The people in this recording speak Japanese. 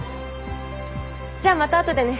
じゃあまた後でね。